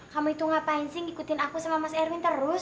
kamu itu ngapain sih ngikutin aku sama mas erwin terus